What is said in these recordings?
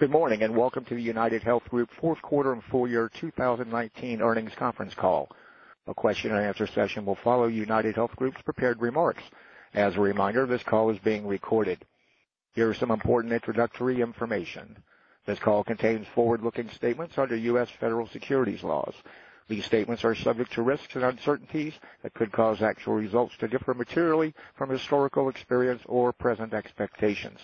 Good morning, and welcome to the UnitedHealth Group fourth quarter and full year 2019 earnings conference call. A question and answer session will follow UnitedHealth Group's prepared remarks. As a reminder, this call is being recorded. Here is some important introductory information. This call contains forward-looking statements under U.S. federal securities laws. These statements are subject to risks and uncertainties that could cause actual results to differ materially from historical experience or present expectations.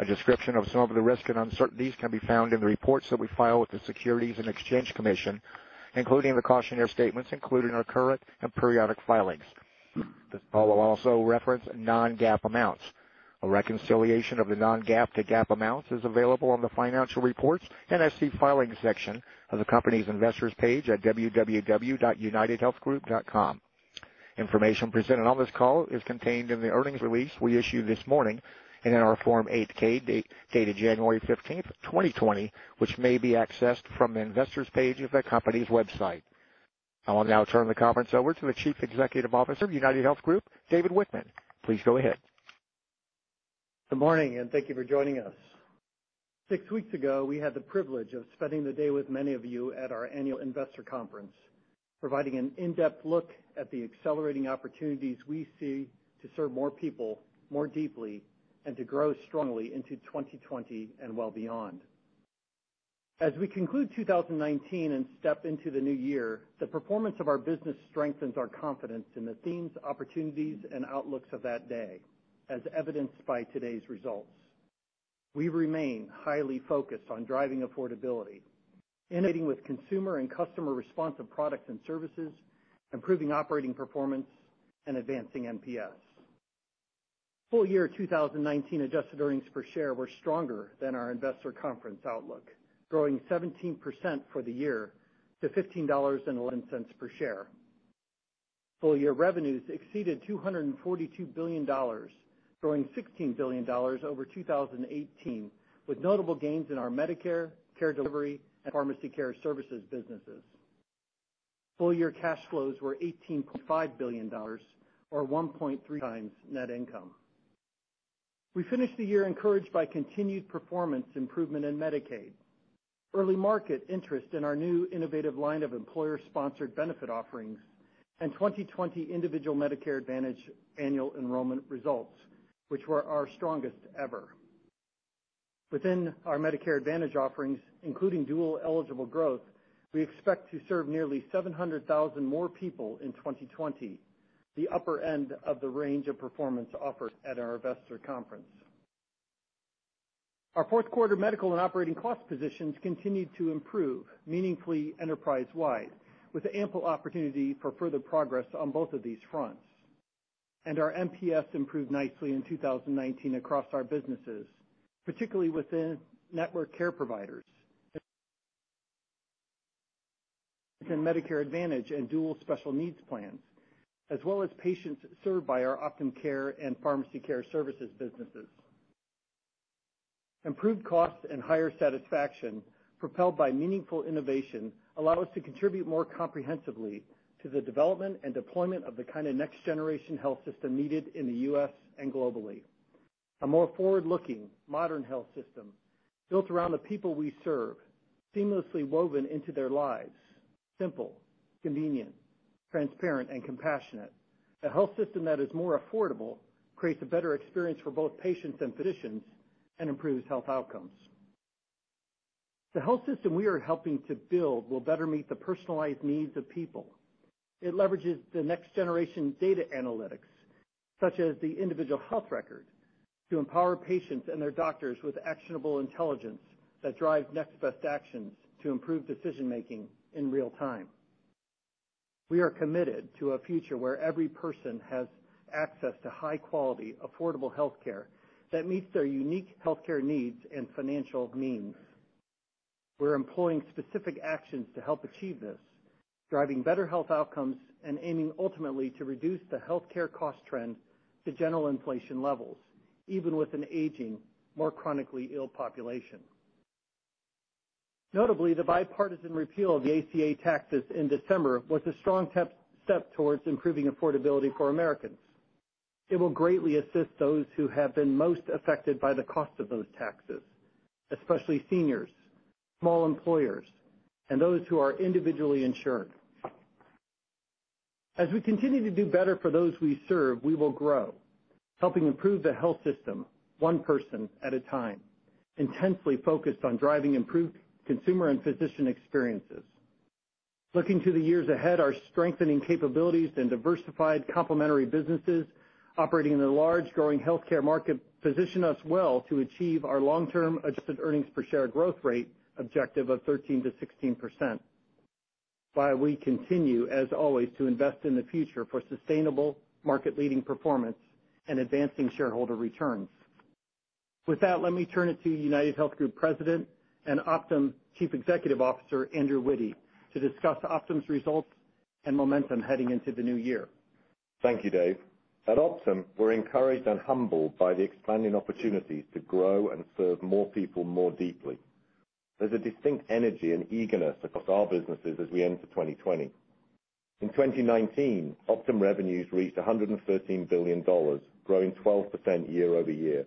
A description of some of the risks and uncertainties can be found in the reports that we file with the Securities and Exchange Commission, including the cautionary statements included in our current and periodic filings. This call will also reference non-GAAP amounts. A reconciliation of the non-GAAP to GAAP amounts is available on the financial reports and SEC filings section of the company's investors page at www.unitedhealthgroup.com. Information presented on this call is contained in the earnings release we issued this morning and in our Form 8-K dated January 15th, 2020, which may be accessed from the investors page of the company's website. I will now turn the conference over to the Chief Executive Officer of UnitedHealth Group, David Wichmann. Please go ahead. Good morning, and thank you for joining us. Six weeks ago, we had the privilege of spending the day with many of you at our annual investor conference, providing an in-depth look at the accelerating opportunities we see to serve more people more deeply and to grow strongly into 2020 and well beyond. As we conclude 2019 and step into the new year, the performance of our business strengthens our confidence in the themes, opportunities, and outlooks of that day, as evidenced by today's results. We remain highly focused on driving affordability, innovating with consumer and customer responsive products and services, improving operating performance, and advancing NPS. Full year 2019 adjusted earnings per share were stronger than our investor conference outlook, growing 17% for the year to $15.11 per share. Full year revenues exceeded $242 billion, growing $16 billion over 2018, with notable gains in our Medicare, care delivery, and pharmacy care services businesses. Full year cash flows were $18.5 billion, or 1.3 times net income. We finished the year encouraged by continued performance improvement in Medicaid, early market interest in our new innovative line of employer-sponsored benefit offerings, and 2020 individual Medicare Advantage annual enrollment results, which were our strongest ever. Within our Medicare Advantage offerings, including dual-eligible growth, we expect to serve nearly 700,000 more people in 2020, the upper end of the range of performance offered at our investor conference. Our fourth quarter medical and operating cost positions continued to improve meaningfully enterprise-wide, with ample opportunity for further progress on both of these fronts. Our NPS improved nicely in 2019 across our businesses, particularly within network care providers. In Medicare Advantage and Dual Special Needs Plans, as well as patients served by our Optum Care and pharmacy care services businesses. Improved costs and higher satisfaction, propelled by meaningful innovation, allow us to contribute more comprehensively to the development and deployment of the kind of next generation health system needed in the U.S. and globally. A more forward-looking, modern health system built around the people we serve, seamlessly woven into their lives, simple, convenient, transparent, and compassionate. A health system that is more affordable, creates a better experience for both patients and physicians, and improves health outcomes. The health system we are helping to build will better meet the personalized needs of people. It leverages the next generation data analytics, such as the Individual Health Record, to empower patients and their doctors with actionable intelligence that drives next best actions to improve decision-making in real time. We are committed to a future where every person has access to high quality, affordable healthcare that meets their unique healthcare needs and financial means. We're employing specific actions to help achieve this, driving better health outcomes and aiming ultimately to reduce the healthcare cost trend to general inflation levels, even with an aging, more chronically ill population. Notably, the bipartisan repeal of the ACA taxes in December was a strong step towards improving affordability for Americans. It will greatly assist those who have been most affected by the cost of those taxes, especially seniors, small employers, and those who are individually insured. As we continue to do better for those we serve, we will grow, helping improve the health system one person at a time, intensely focused on driving improved consumer and physician experiences. Looking to the years ahead, our strengthening capabilities and diversified complementary businesses operating in a large, growing healthcare market position us well to achieve our long-term adjusted earnings per share growth rate objective of 13%-16%. While we continue, as always, to invest in the future for sustainable market-leading performance and advancing shareholder returns. Let me turn it to UnitedHealth Group President and Optum Chief Executive Officer, Andrew Witty, to discuss Optum's results and momentum heading into the new year. Thank you, Dave. At Optum, we're encouraged and humbled by the expanding opportunities to grow and serve more people more deeply There's a distinct energy and eagerness across our businesses as we enter 2020. In 2019, Optum revenues reached $113 billion, growing 12% year-over-year.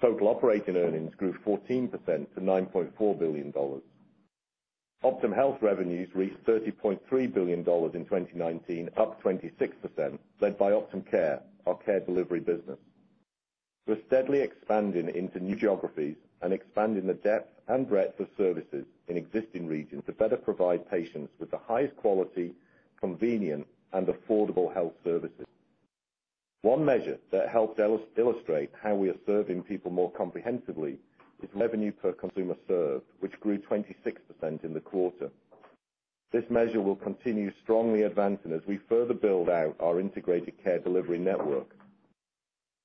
Total operating earnings grew 14% to $9.4 billion. Optum Health revenues reached $30.3 billion in 2019, up 26%, led by Optum Care, our care delivery business. We're steadily expanding into new geographies and expanding the depth and breadth of services in existing regions to better provide patients with the highest quality, convenient, and affordable health services. One measure that helps illustrate how we are serving people more comprehensively is revenue per consumer served, which grew 26% in the quarter. This measure will continue strongly advancing as we further build out our integrated care delivery network.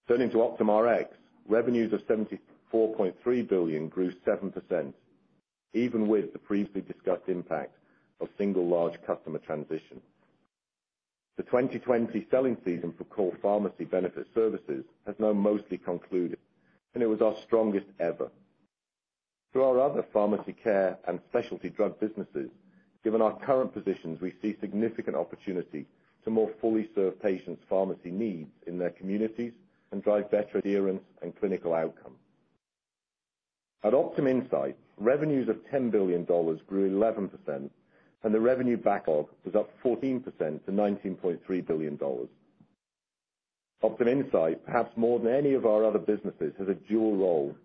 Turning to OptumRx, revenues of $74.3 billion grew 7%, even with the previously discussed impact of single large customer transition. The 2020 selling season for core pharmacy benefit services has now mostly concluded, and it was our strongest ever. Through our other pharmacy care and specialty drug businesses, given our current positions, we see significant opportunity to more fully serve patients' pharmacy needs in their communities and drive better adherence and clinical outcome. At Optum Insight, revenues of $10 billion grew 11%, and the revenue backlog was up 14% to $19.3 billion. Optum Insight, perhaps more than any of our other businesses, has a dual role.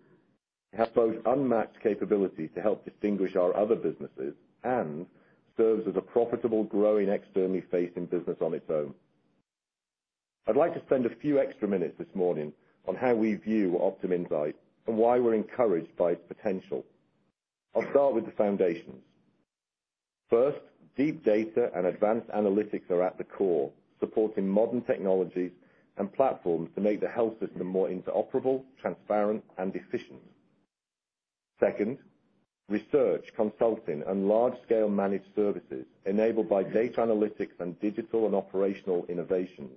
It has both unmatched capability to help distinguish our other businesses and serves as a profitable, growing, externally facing business on its own. I'd like to spend a few extra minutes this morning on how we view Optum Insight and why we're encouraged by its potential. I'll start with the foundations. First, deep data and advanced analytics are at the core, supporting modern technologies and platforms to make the health system more interoperable, transparent, and efficient. Second, research, consulting, and large-scale managed services enabled by data analytics and digital and operational innovations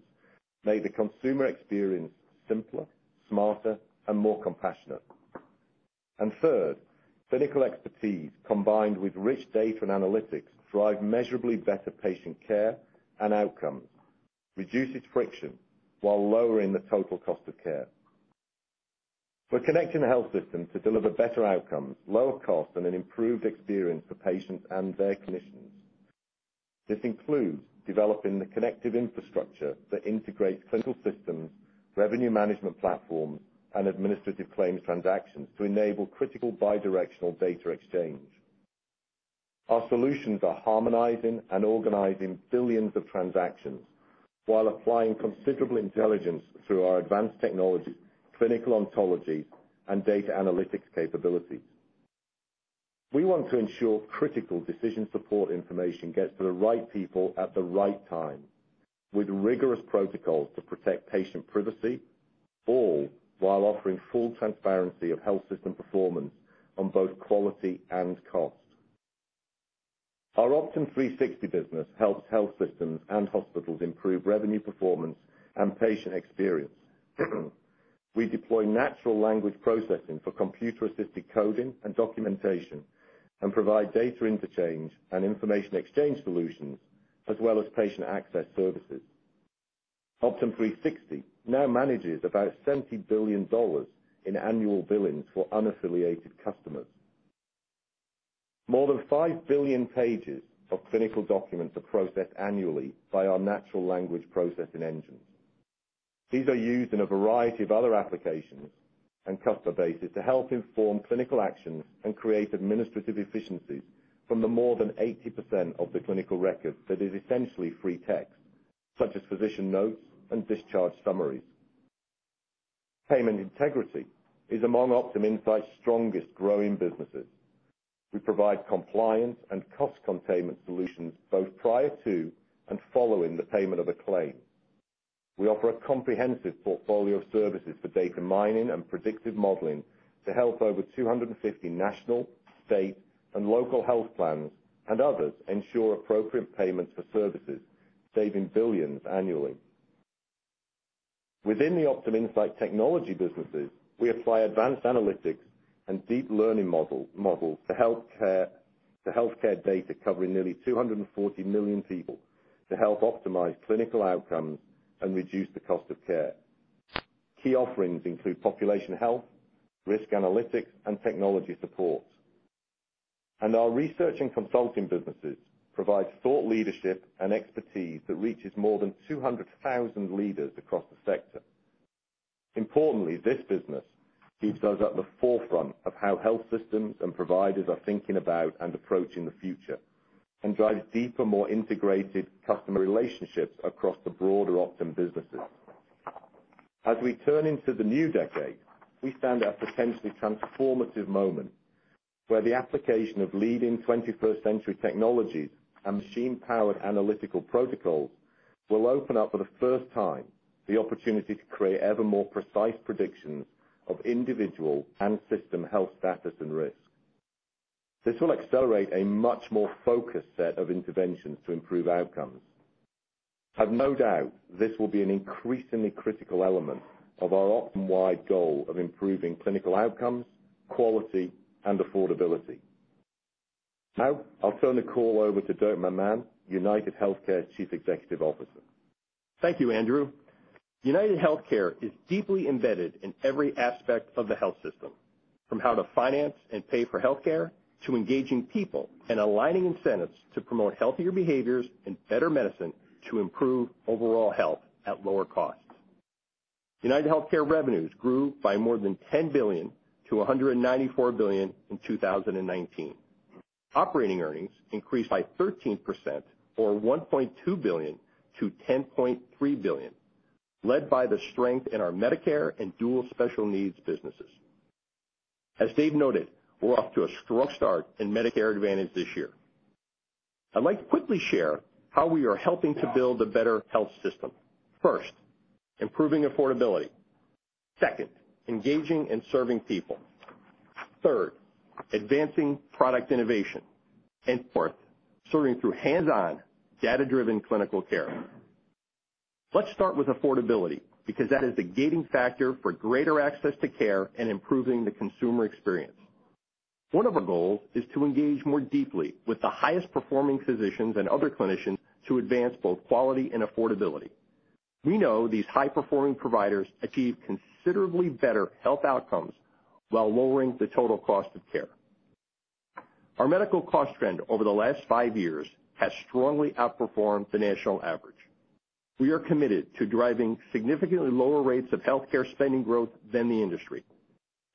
make the consumer experience simpler, smarter, and more compassionate. Third, clinical expertise combined with rich data and analytics drive measurably better patient care and outcomes, reduces friction while lowering the total cost of care. We're connecting the health system to deliver better outcomes, lower costs, and an improved experience for patients and their clinicians. This includes developing the connective infrastructure that integrates clinical systems, revenue management platforms, and administrative claims transactions to enable critical bi-directional data exchange. Our solutions are harmonizing and organizing billions of transactions while applying considerable intelligence through our advanced technology, clinical ontology, and data analytics capabilities. We want to ensure critical decision support information gets to the right people at the right time with rigorous protocols to protect patient privacy, all while offering full transparency of health system performance on both quality and cost. Our Optum360 business helps health systems and hospitals improve revenue performance and patient experience. We deploy natural language processing for computer-assisted coding and documentation and provide data interchange and information exchange solutions, as well as patient access services. Optum360 now manages about $70 billion in annual billings for unaffiliated customers. More than 5 billion pages of clinical documents are processed annually by our natural language processing engines. These are used in a variety of other applications and customer bases to help inform clinical actions and create administrative efficiencies from the more than 80% of the clinical records that is essentially free text, such as physician notes and discharge summaries. Payment Integrity is among Optum Insight's strongest growing businesses. We provide compliance and cost containment solutions both prior to and following the payment of a claim. We offer a comprehensive portfolio of services for data mining and predictive modeling to help over 250 national, state, and local health plans and others ensure appropriate payments for services, saving $ billions annually. Within the Optum Insight technology businesses, we apply advanced analytics and deep learning models to healthcare data covering nearly 240 million people to help optimize clinical outcomes and reduce the cost of care. Key offerings include population health, risk analytics, and technology support. Our research and consulting businesses provide thought leadership and expertise that reaches more than 200,000 leaders across the sector. Importantly, this business keeps us at the forefront of how health systems and providers are thinking about and approaching the future and drives deeper, more integrated customer relationships across the broader Optum businesses. As we turn into the new decade, we stand at a potentially transformative moment where the application of leading 21st-century technologies and machine-powered analytical protocols will open up for the first time the opportunity to create ever more precise predictions of individual and system health status and risk. This will accelerate a much more focused set of interventions to improve outcomes. I have no doubt this will be an increasingly critical element of our Optum-wide goal of improving clinical outcomes, quality, and affordability. Now, I'll turn the call over to Dirk McMahon, UnitedHealthcare Chief Executive Officer. Thank you, Andrew. UnitedHealthcare is deeply embedded in every aspect of the health system, from how to finance and pay for healthcare, to engaging people and aligning incentives to promote healthier behaviors and better medicine to improve overall health at lower costs. UnitedHealthcare revenues grew by more than $10 billion to $194 billion in 2019. Operating earnings increased by 13%, or $1.2 billion to $10.3 billion, led by the strength in our Medicare and Dual Special Needs businesses. As Dave noted, we're off to a strong start in Medicare Advantage this year. I'd like to quickly share how we are helping to build a better health system. First, improving affordability. Second, engaging and serving people. Third, advancing product innovation. Fourth, sorting through hands-on data-driven clinical care. Let's start with affordability, because that is the gating factor for greater access to care and improving the consumer experience. One of our goals is to engage more deeply with the highest performing physicians and other clinicians to advance both quality and affordability. We know these high-performing providers achieve considerably better health outcomes while lowering the total cost of care. Our medical cost trend over the last five years has strongly outperformed the national average. We are committed to driving significantly lower rates of healthcare spending growth than the industry.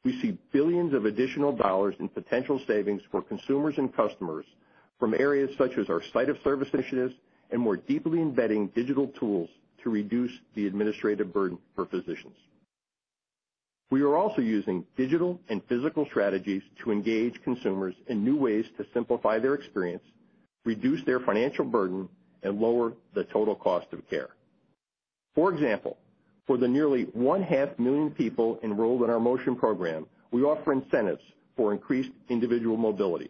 We see billions of additional dollars in potential savings for consumers and customers from areas such as our site of service initiatives and more deeply embedding digital tools to reduce the administrative burden for physicians. We are also using digital and physical strategies to engage consumers in new ways to simplify their experience, reduce their financial burden, and lower the total cost of care. For example, for the nearly 500,000 people enrolled in our Motion program, we offer incentives for increased individual mobility.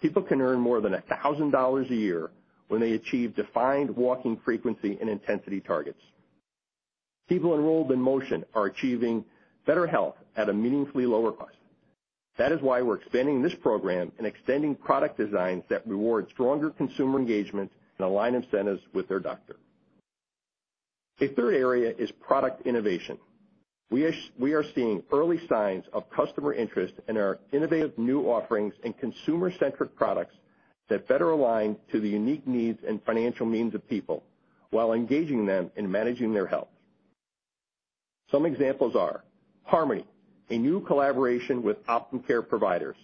People can earn more than $1,000 a year when they achieve defined walking frequency and intensity targets. People enrolled in Motion are achieving better health at a meaningfully lower cost. That is why we're expanding this program and extending product designs that reward stronger consumer engagement and align incentives with their doctor. A third area is product innovation. We are seeing early signs of customer interest in our innovative new offerings and consumer-centric products that better align to the unique needs and financial means of people while engaging them in managing their health. Some examples are Harmony, a new collaboration with Optum Care providers,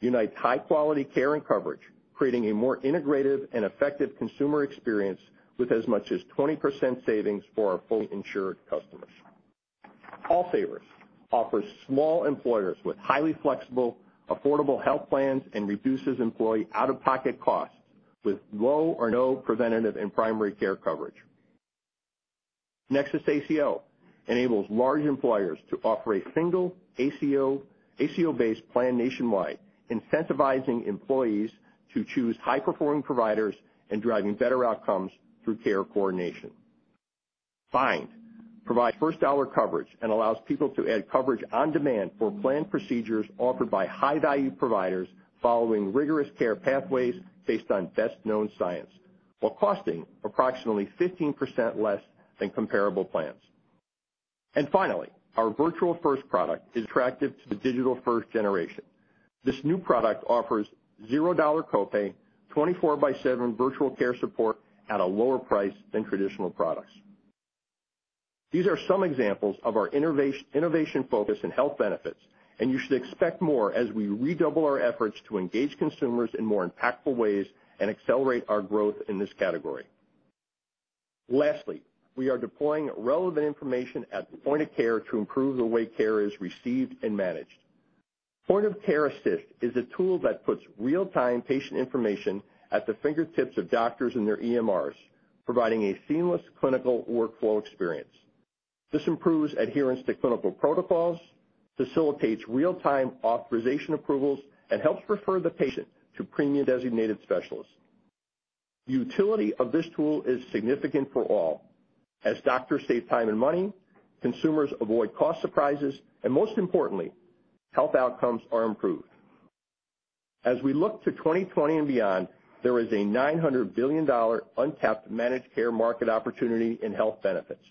unites high-quality care and coverage, creating a more integrative and effective consumer experience with as much as 20% savings for our fully insured customers. All Savers offers small employers with highly flexible, affordable health plans and reduces employee out-of-pocket costs with low or no preventive and primary care coverage. NexusACO enables large employers to offer a single ACO-based plan nationwide, incentivizing employees to choose high-performing providers and driving better outcomes through care coordination. Bind provides first-dollar coverage and allows people to add coverage on demand for planned procedures offered by high-value providers following rigorous care pathways based on best-known science, while costing approximately 15% less than comparable plans. Finally, our virtual-first product is attractive to the digital first generation. This new product offers $0 copay, 24/7 virtual care support at a lower price than traditional products. These are some examples of our innovation focus and health benefits, and you should expect more as we redouble our efforts to engage consumers in more impactful ways and accelerate our growth in this category. Lastly, we are deploying relevant information at the point of care to improve the way care is received and managed. Point of Care Assist is a tool that puts real-time patient information at the fingertips of doctors and their EMRs, providing a seamless clinical workflow experience. This improves adherence to clinical protocols, facilitates real-time authorization approvals, and helps refer the patient to premium designated specialists. The utility of this tool is significant for all. As doctors save time and money, consumers avoid cost surprises, and most importantly, health outcomes are improved. As we look to 2020 and beyond, there is a $900 billion untapped managed care market opportunity in health benefits,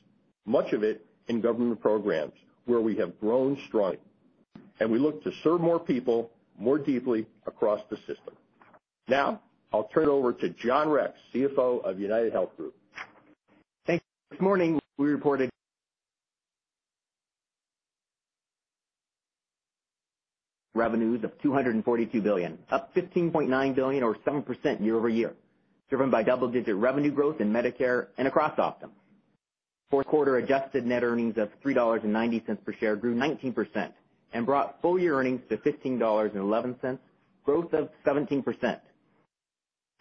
much of it in government programs where we have grown strongly. We look to serve more people, more deeply across the system. Now, I'll turn it over to John Rex, CFO of UnitedHealth Group. Thanks. This morning, we reported revenues of $242 billion, up $15.9 billion or 7% year-over-year, driven by double-digit revenue growth in Medicare and across Optum. Fourth quarter adjusted net earnings of $3.90 per share grew 19% and brought full-year earnings to $15.11, growth of 17%.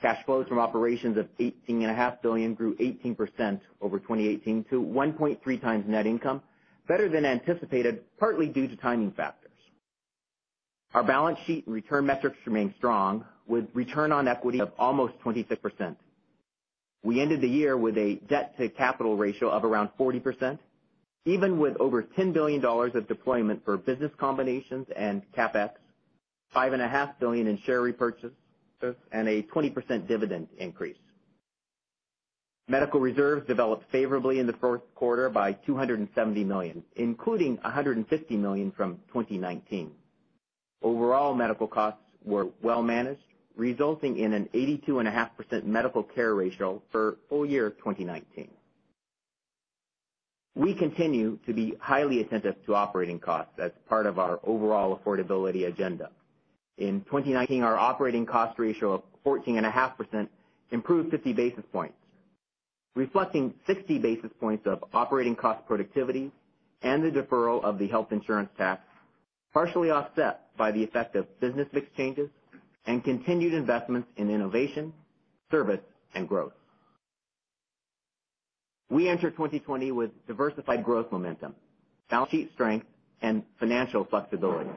Cash flows from operations of $18.5 billion grew 18% over 2018 to 1.3 times net income, better than anticipated, partly due to timing factors. Our balance sheet and return metrics remain strong, with return on equity of almost 26%. We ended the year with a debt-to-capital ratio of around 40%, even with over $10 billion of deployment for business combinations and CapEx, $5.5 billion in share repurchases, and a 20% dividend increase. Medical reserves developed favorably in the first quarter by $270 million, including $150 million from 2019. Overall medical costs were well managed, resulting in an 82.5% medical care ratio for full year 2019. We continue to be highly attentive to operating costs as part of our overall affordability agenda. In 2019, our operating cost ratio of 14.5% improved 50 basis points, reflecting 60 basis points of operating cost productivity and the deferral of the health insurance tax, partially offset by the effect of business mix changes and continued investments in innovation, service, and growth. We enter 2020 with diversified growth momentum, balance sheet strength, and financial flexibility.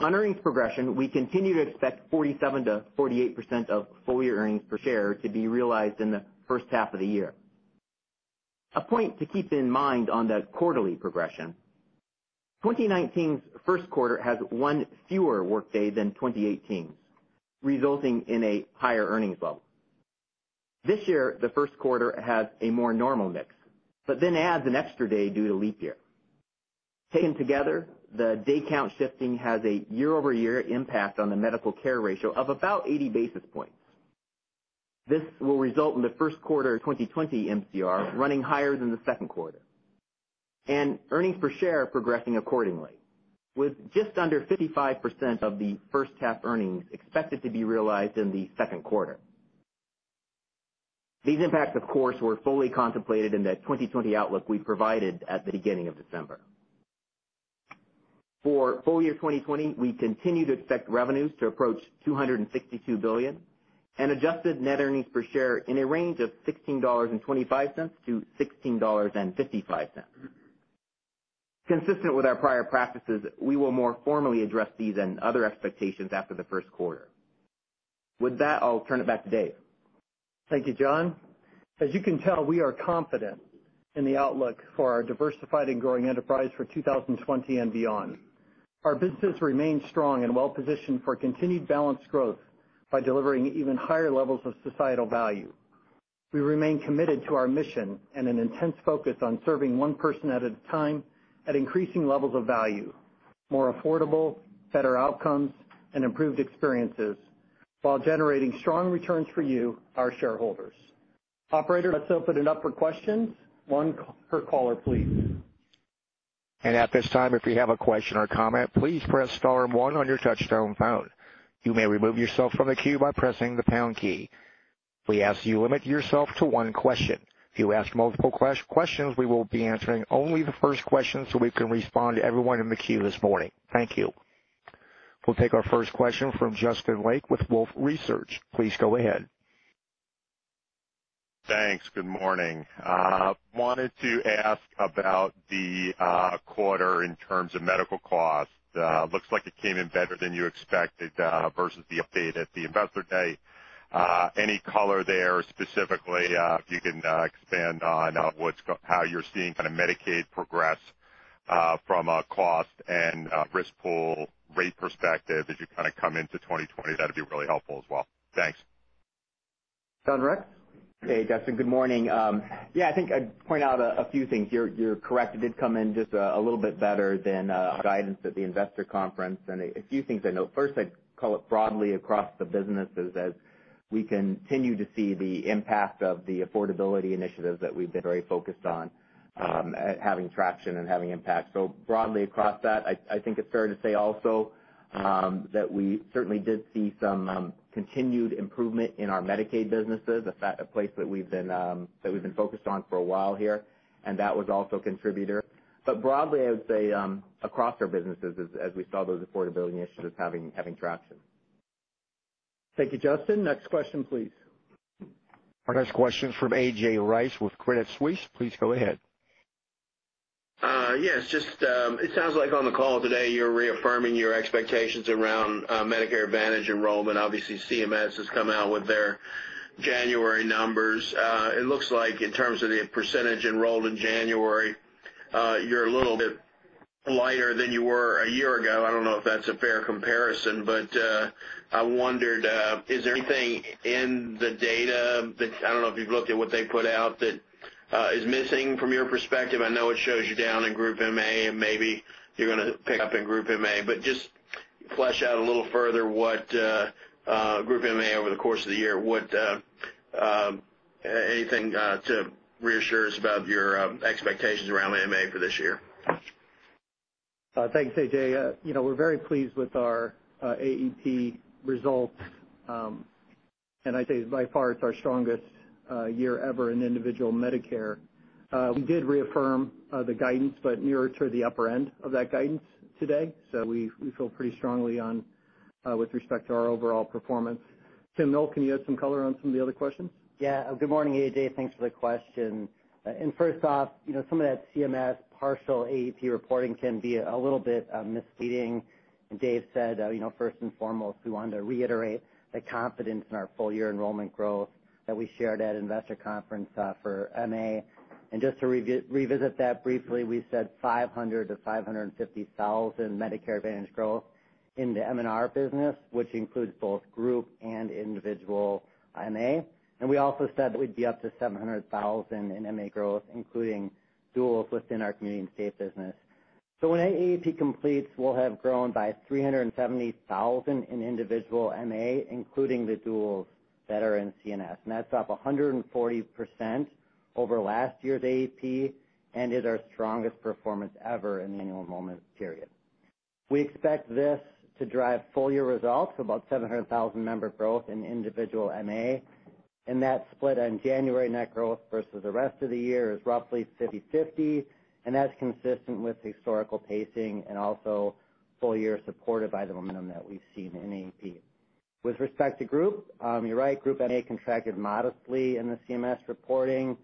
On earnings progression, we continue to expect 47%-48% of full-year earnings per share to be realized in the first half of the year. A point to keep in mind on the quarterly progression: 2019's first quarter has one fewer workday than 2018's, resulting in a higher earnings level. This year, the first quarter has a more normal mix, adds an extra day due to leap year. Taken together, the day count shifting has a year-over-year impact on the medical care ratio of about 80 basis points. This will result in the first quarter 2020 MCR running higher than the second quarter, and earnings per share progressing accordingly, with just under 55% of the first half earnings expected to be realized in the second quarter. These impacts, of course, were fully contemplated in the 2020 outlook we provided at the beginning of December. For full year 2020, we continue to expect revenues to approach $262 billion and adjusted net earnings per share in a range of $16.25-$16.55. Consistent with our prior practices, we will more formally address these and other expectations after the first quarter. With that, I'll turn it back to Dave. Thank you, John. As you can tell, we are confident in the outlook for our diversified and growing enterprise for 2020 and beyond. Our business remains strong and well-positioned for continued balanced growth by delivering even higher levels of societal value. We remain committed to our mission and an intense focus on serving one person at a time at increasing levels of value, more affordable, better outcomes, and improved experiences, while generating strong returns for you, our shareholders. Operator, let's open it up for questions. One per caller, please. At this time, if you have a question or comment, please press star one on your touchtone phone. You may remove yourself from the queue by pressing the pound key. We ask that you limit yourself to one question. If you ask multiple questions, we will be answering only the first question so we can respond to everyone in the queue this morning. Thank you. We'll take our first question from Justin Lake with Wolfe Research. Please go ahead. Thanks. Good morning. Wanted to ask about the quarter in terms of medical costs. Looks like it came in better than you expected versus the update at the investor day. Any color there specifically, if you can expand on how you're seeing kind of Medicaid progress from a cost and risk pool rate perspective as you kind of come into 2020, that'd be really helpful as well. Thanks. John Rex? Hey, Justin. Good morning. Yeah, I think I'd point out a few things here. You're correct, it did come in just a little bit better than our guidance at the investor conference. A few things I note. First, I'd call it broadly across the businesses as we continue to see the impact of the affordability initiatives that we've been very focused on at having traction and having impact. Broadly across that, I think it's fair to say also that we certainly did see some continued improvement in our Medicaid businesses, a place that we've been focused on for a while here, and that was also a contributor. Broadly, I would say across our businesses as we saw those affordability initiatives having traction. Thank you, Justin. Next question, please. Our next question is from A.J. Rice with Credit Suisse. Please go ahead. Yes. It sounds like on the call today, you're reaffirming your expectations around Medicare Advantage enrollment. Obviously, CMS has come out with their January numbers. It looks like in terms of the percentage enrolled in January, you're a little bit lighter than you were a year ago. I don't know if that's a fair comparison, but I wondered, is there anything in the data that, I don't know if you've looked at what they put out, that is missing from your perspective? I know it shows you down in group MA and maybe you're going to pick up in group MA, but just flesh out a little further what group MA over the course of the year, anything to reassure us about your expectations around MA for this year? Thanks, A.J. We're very pleased with our AEP results, and I'd say by far it's our strongest year ever in individual Medicare. We did reaffirm the guidance, but nearer to the upper end of that guidance today. We feel pretty strongly with respect to our overall performance. Tim Noel, can you add some color on some of the other questions? Good morning, A.J. Thanks for the question. First off, some of that CMS partial AEP reporting can be a little bit misleading. Dave said, first and foremost, we wanted to reiterate the confidence in our full-year enrollment growth that we shared at Investor Conference for MA. Just to revisit that briefly, we said 500,000-550,000 Medicare Advantage growth in the M&R business, which includes both group and individual MA. We also said that we'd be up to 700,000 in MA growth, including duals within our community and state business. When AEP completes, we'll have grown by 370,000 in individual MA, including the duals that are in CNS. That's up 140% over last year's AEP and is our strongest performance ever in the annual enrollment period. We expect this to drive full-year results, about 700,000 member growth in individual MA, and that split on January net growth versus the rest of the year is roughly 50/50, and that's consistent with historical pacing and also full-year supported by the momentum that we've seen in AEP. With respect to Group, you're right, Group MA contracted modestly in the CMS reporting.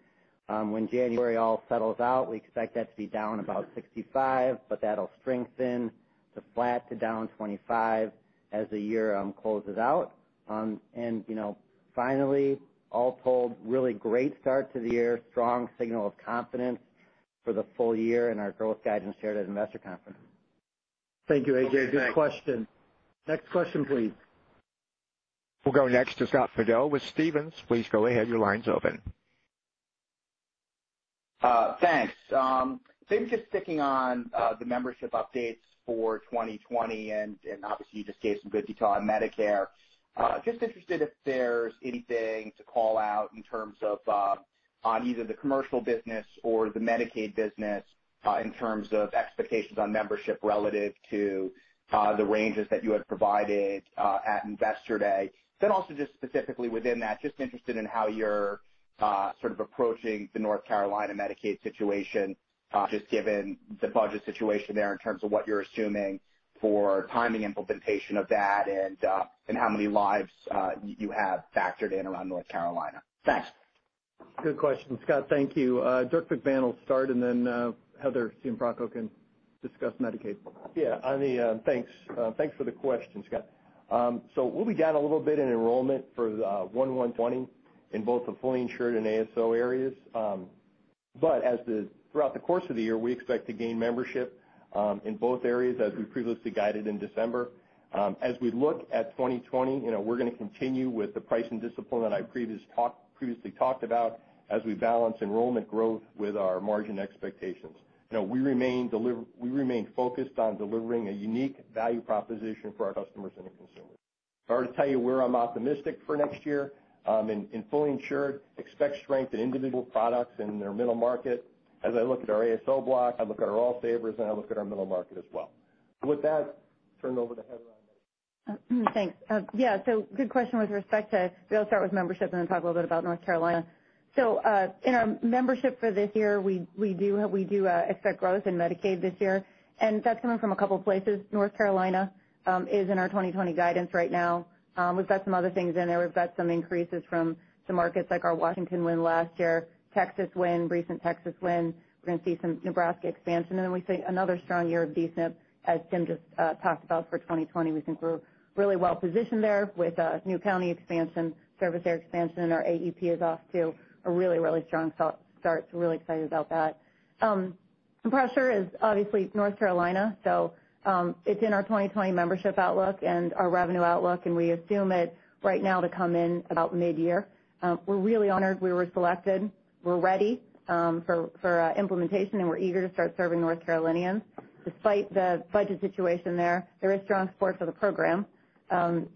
When January all settles out, we expect that to be down about 65, but that'll strengthen to flat to down 25 as the year closes out. Finally, all told, really great start to the year, strong signal of confidence for the full year and our growth guidance shared at Investor Conference. Thank you, A.J. Good question. Next question, please. We'll go next to Scott Fidel with Stephens. Please go ahead. Your line's open. Thanks. Maybe just sticking on the membership updates for 2020, obviously, you just gave some good detail on Medicare. Just interested if there's anything to call out in terms of on either the Commercial business or the Medicaid business in terms of expectations on membership relative to the ranges that you had provided at Investor Day. Also just specifically within that, just interested in how you're sort of approaching the North Carolina Medicaid situation, just given the budget situation there in terms of what you're assuming for timing implementation of that and how many lives you have factored in around North Carolina. Thanks. Good question, Scott. Thank you. Dirk McMahon will start. Heather Cianfrocco can discuss Medicaid. Thanks for the question, Scott. We'll be down a little bit in enrollment for 1/1/2020 in both the fully insured and ASO areas. Throughout the course of the year, we expect to gain membership in both areas as we previously guided in December. As we look at 2020, we're going to continue with the pricing discipline that I previously talked about as we balance enrollment growth with our margin expectations. We remain focused on delivering a unique value proposition for our customers and the consumers. I'll just tell you where I'm optimistic for next year. In fully insured, expect strength in individual products in their middle market. As I look at our ASO block, I look at our All Savers, and I look at our middle market as well. With that, turn it over to Heather on Medicaid. Thanks. Yeah. Good question. I'll start with membership and then talk a little bit about North Carolina. In our membership for this year, we do expect growth in Medicaid this year, and that's coming from a couple of places. North Carolina is in our 2020 guidance right now. We've got some other things in there. We've got some increases from some markets like our Washington win last year, Texas win, recent Texas win. We're going to see some Nebraska expansion. We see another strong year of D-SNP, as Tim just talked about for 2020. We think we're really well-positioned there with a new county expansion, service area expansion, and our AEP is off to a really strong start. Really excited about that. Some pressure is obviously North Carolina. It's in our 2020 membership outlook and our revenue outlook, and we assume it right now to come in about mid-year. We're really honored we were selected. We're ready for implementation, and we're eager to start serving North Carolinians. Despite the budget situation there is strong support for the program, and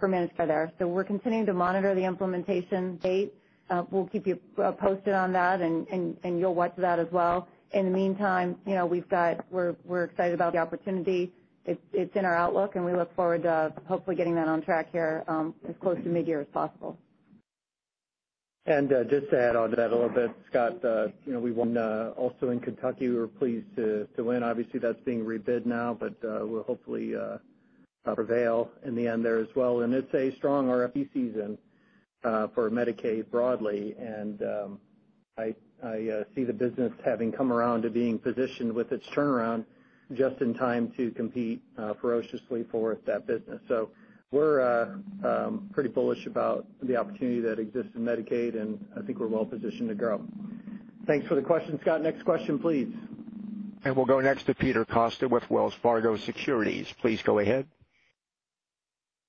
for managed care there. We're continuing to monitor the implementation date. We'll keep you posted on that, and you'll watch that as well. In the meantime, we're excited about the opportunity. It's in our outlook, and we look forward to hopefully getting that on track here, as close to mid-year as possible. Just to add on to that a little bit, Scott, we won also in Kentucky. We were pleased to win. Obviously, that's being rebid now, but we'll hopefully prevail in the end there as well. It's a strong RFP season for Medicaid broadly. I see the business having come around to being positioned with its turnaround just in time to compete ferociously for that business. We're pretty bullish about the opportunity that exists in Medicaid, and I think we're well positioned to grow. Thanks for the question, Scott. Next question, please. We'll go next to Peter Costa with Wells Fargo Securities. Please go ahead.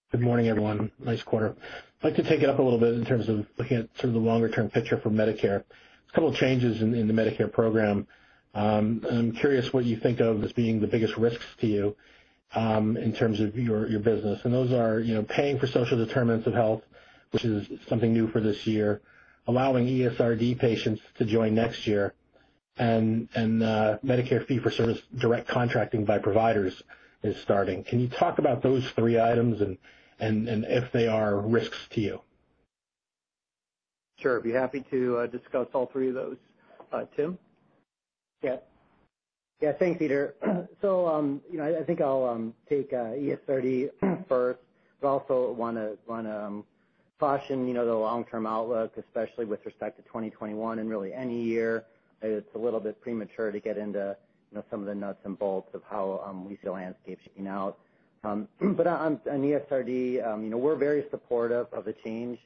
Good morning, everyone. Nice quarter. I'd like to take it up a little bit in terms of looking at sort of the longer-term picture for Medicare. A couple of changes in the Medicare program. I'm curious what you think of as being the biggest risks to you in terms of your business. Those are paying for social determinants of health, which is something new for this year, allowing ESRD patients to join next year, and Medicare Fee-for-Service Direct Contracting by providers is starting. Can you talk about those three items and if they are risks to you? Sure. Be happy to discuss all three of those. Tim? Yeah. Thanks, Peter. I think I'll take ESRD first, but also want to caution the long-term outlook, especially with respect to 2021 and really any year. It's a little bit premature to get into some of the nuts and bolts of how we see the landscape shaping out. On ESRD, we're very supportive of the change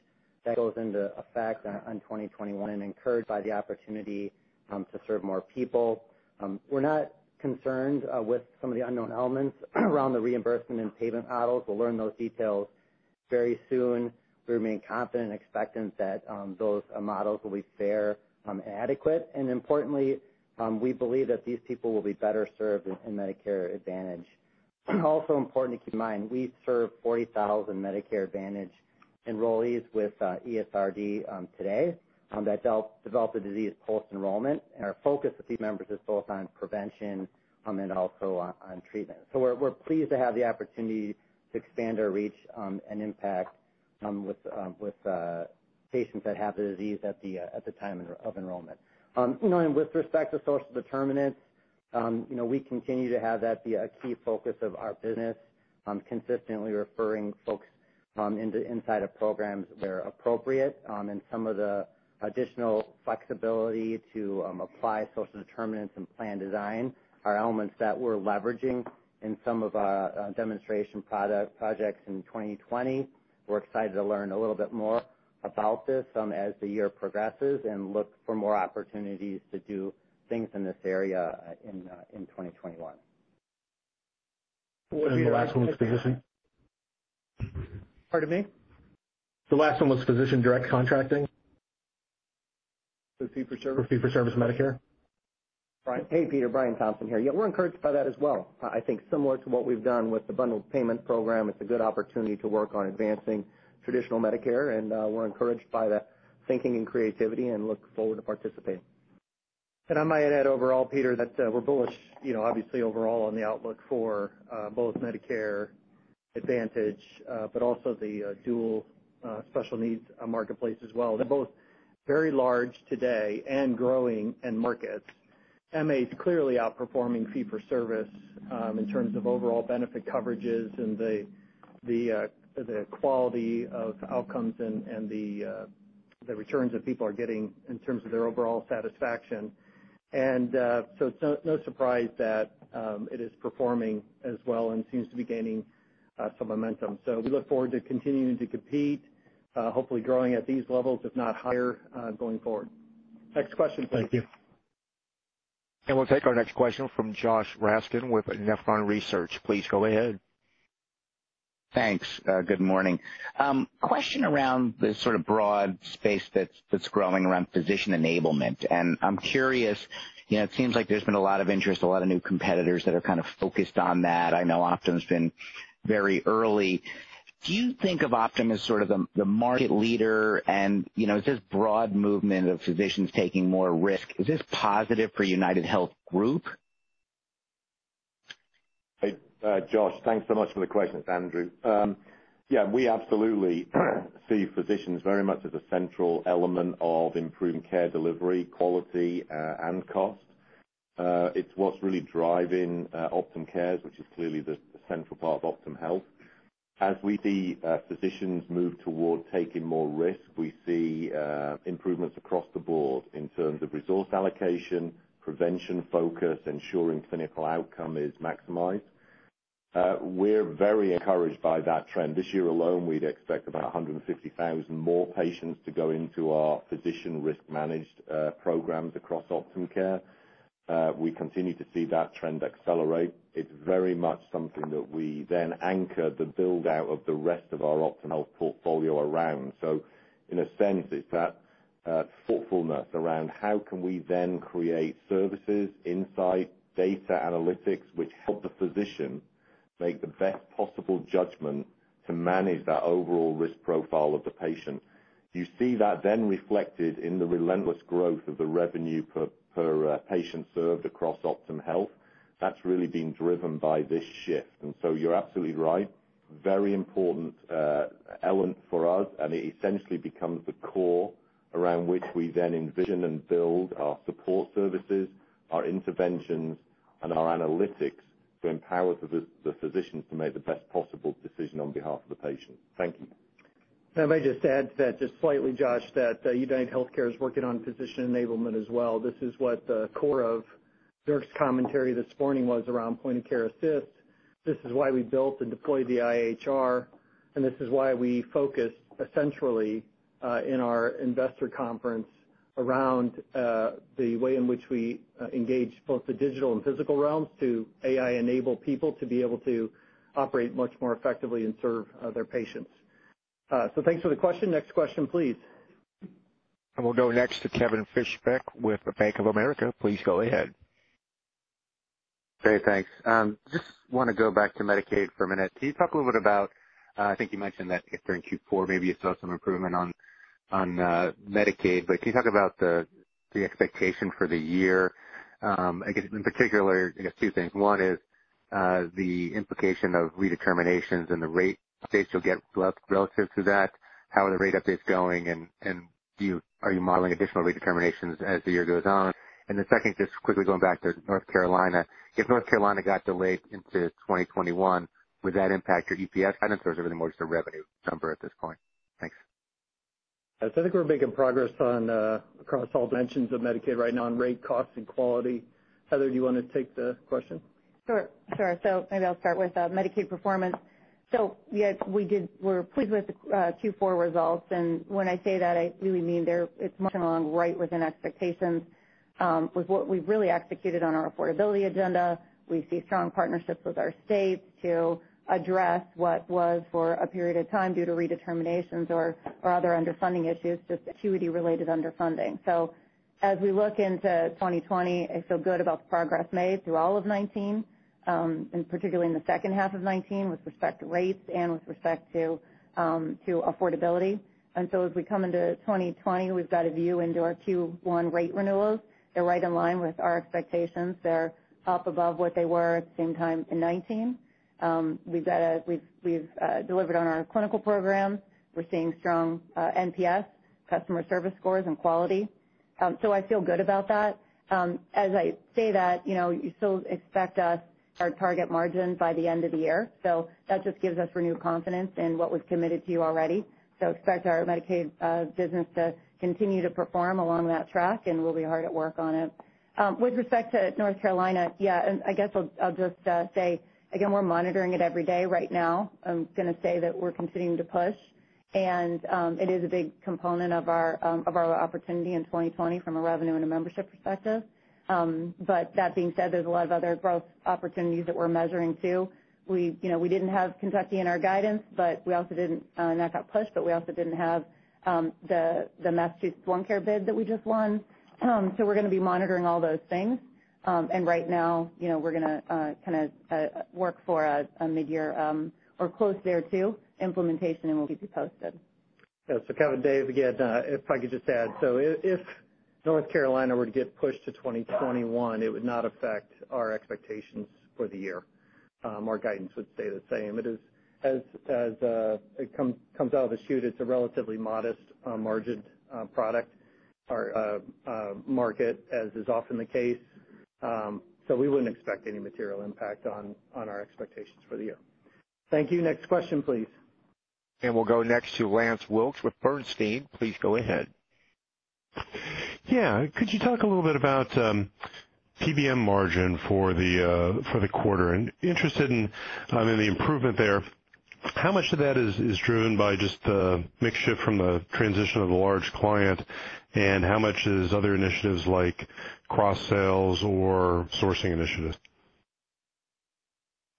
that goes into effect on 2021 and encouraged by the opportunity to serve more people. We're not concerned with some of the unknown elements around the reimbursement and payment models. We'll learn those details very soon. We remain confident and expectant that those models will be fair and adequate. Importantly, we believe that these people will be better served in Medicare Advantage. Also important to keep in mind, we serve 40,000 Medicare Advantage enrollees with ESRD today that develop the disease post-enrollment. Our focus with these members is both on prevention and also on treatment. We're pleased to have the opportunity to expand our reach and impact with patients that have the disease at the time of enrollment. With respect to social determinants, we continue to have that be a key focus of our business, consistently referring folks inside of programs where appropriate. Some of the additional flexibility to apply social determinants in plan design are elements that we're leveraging in some of our demonstration projects in 2020. We're excited to learn a little bit more about this as the year progresses and look for more opportunities to do things in this area in 2021. The last one was physician. Pardon me? The last one was physician direct contracting. For fee-for-service. For fee-for-service Medicare. Hey, Peter. Brian Thompson here. Yeah, we're encouraged by that as well. I think similar to what we've done with the bundled payment program, it's a good opportunity to work on advancing traditional Medicare. We're encouraged by that thinking and creativity and look forward to participating. I might add overall, Peter, that we're bullish, obviously, overall on the outlook for both Medicare Advantage, but also the Dual Special Needs marketplace as well. They're both very large today and growing end markets. MA's clearly outperforming fee-for-service in terms of overall benefit coverages and the quality of outcomes and the returns that people are getting in terms of their overall satisfaction. It's no surprise that it is performing as well and seems to be gaining some momentum. We look forward to continuing to compete, hopefully growing at these levels, if not higher, going forward. Next question, please. Thank you. We'll take our next question from Joshua Raskin with Nephron Research. Please go ahead. Thanks. Good morning. Question around the sort of broad space that's growing around physician enablement. I'm curious, it seems like there's been a lot of interest, a lot of new competitors that are kind of focused on that. I know Optum's been very early. Do you think of Optum as sort of the market leader and is this broad movement of physicians taking more risk, is this positive for UnitedHealth Group? Hey, Josh. Thanks so much for the question. It's Andrew. Yeah, we absolutely see physicians very much as a central element of improving care delivery, quality, and cost. It's what's really driving Optum Care, which is clearly the central part of Optum Health. As we see physicians move toward taking more risk, we see improvements across the board in terms of resource allocation, prevention focus, ensuring clinical outcome is maximized. We're very encouraged by that trend. This year alone, we'd expect about 150,000 more patients to go into our physician risk managed programs across Optum Care. We continue to see that trend accelerate. It's very much something that we then anchor the build-out of the rest of our Optum Health portfolio around. In a sense, it's that thoughtfulness around how can we then create services, insight, data analytics, which help the physician make the best possible judgment to manage that overall risk profile of the patient. You see that then reflected in the relentless growth of the revenue per patient served across Optum Health. That's really been driven by this shift. You're absolutely right, very important element for us, and it essentially becomes the core around which we then envision and build our support services, our interventions, and our analytics to empower the physicians to make the best possible decision on behalf of the patient. Thank you. If I just add to that just slightly, Josh, that UnitedHealthcare is working on physician enablement as well. This is what the core of Dirk's commentary this morning was around Point of Care Assist. This is why we built and deployed the IHR, and this is why we focused essentially, in our investor conference around the way in which we engage both the digital and physical realms to AI-enable people to be able to operate much more effectively and serve their patients. Thanks for the question. Next question, please. We'll go next to Kevin Fischbeck with Bank of America. Please go ahead. Okay, thanks. Just want to go back to Medicaid for a minute. Can you talk a little bit about, I think you mentioned that during Q4, maybe you saw some improvement on Medicaid, but can you talk about the expectation for the year? I guess, in particular, I guess two things. One is, the implication of redeterminations and the rate updates you'll get relative to that. How are the rate updates going, and are you modeling additional redeterminations as the year goes on? Second, just quickly going back to North Carolina. If North Carolina got delayed into 2021, would that impact your EPS guidance or is it more just a revenue number at this point? Thanks. I think we're making progress across all dimensions of Medicaid right now on rate, cost, and quality. Heather, do you want to take the question? Sure. Maybe I'll start with Medicaid performance. Yes, we're pleased with the Q4 results, and when I say that, I really mean it's marching along right within expectations, with what we've really executed on our affordability agenda. We see strong partnerships with our states to address what was for a period of time due to redeterminations or other underfunding issues, just acuity related underfunding. As we look into 2020, I feel good about the progress made through all of 2019, and particularly in the second half of 2019 with respect to rates and with respect to affordability. As we come into 2020, we've got a view into our Q1 rate renewals. They're right in line with our expectations. They're up above what they were at the same time in 2019. We've delivered on our clinical programs. We're seeing strong NPS customer service scores and quality. I feel good about that. As I say that, you still expect us, our target margin by the end of the year. That just gives us renewed confidence in what we've committed to you already. Expect our Medicaid business to continue to perform along that track, and we'll be hard at work on it. With respect to North Carolina, yeah, and I guess I'll just say, again, we're monitoring it every day right now. I'm going to say that we're continuing to push. It is a big component of our opportunity in 2020 from a revenue and a membership perspective. That being said, there's a lot of other growth opportunities that we're measuring, too. We didn't have Kentucky in our guidance, and that got pushed, but we also didn't have the Massachusetts One Care bid that we just won. We're going to be monitoring all those things. Right now, we're going to work for a mid-year, or close thereto implementation, and we'll keep you posted. Yeah. Kevin, Dave again, if I could just add, if North Carolina were to get pushed to 2021, it would not affect our expectations for the year. Our guidance would stay the same. As it comes out of the chute, it's a relatively modest margined product, our market, as is often the case. We wouldn't expect any material impact on our expectations for the year. Thank you. Next question, please. We'll go next to Lance Wilkes with Bernstein. Please go ahead. Yeah. Could you talk a little bit about PBM margin for the quarter? Interested in the improvement there. How much of that is driven by just the mix shift from the transition of the large client, and how much is other initiatives like cross-sales or sourcing initiatives?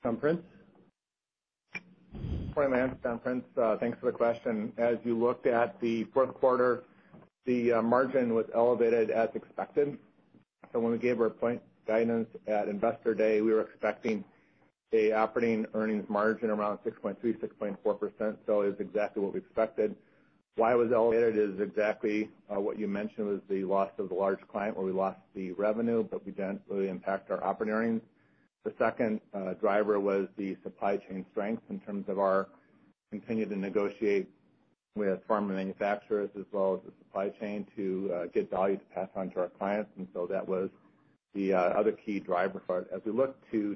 John Prince? Morning, Lance. John Prince. Thanks for the question. As you looked at the fourth quarter, the margin was elevated as expected. When we gave our guidance at Investor Day, we were expecting an operating earnings margin around 6.3%, 6.4%. It was exactly what we expected. Why it was elevated is exactly what you mentioned, was the loss of the large client where we lost the revenue, but we didn't really impact our operating earnings. The second driver was the supply chain strength in terms of our continuing to negotiate with pharma manufacturers as well as the supply chain to get value to pass on to our clients. That was the other key driver for it. As we look to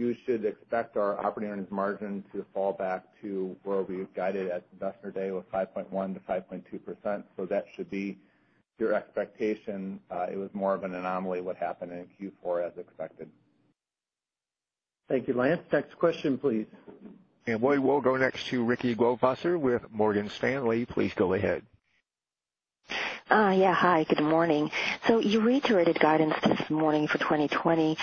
2020 guidance, you should expect our operating earnings margin to fall back to where we had guided at Investor Day with 5.1%-5.2%. That should be your expectation. It was more of an anomaly what happened in Q4 as expected. Thank you, Lance. Next question, please. We will go next to Ricky Goldwasser with Morgan Stanley. Please go ahead. Hi, good morning. You reiterated guidance this morning for 2020.